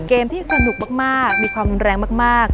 เกมที่สนุกมากมีความรุนแรงมาก